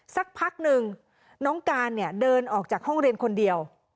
สักพักหนึ่งน้องการเนี่ยเดินออกจากห้องเรียนคนเดียว